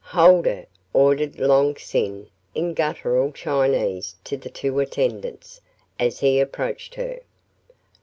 "Hold her," ordered Long Sin in guttural Chinese to the two attendants, as he approached her.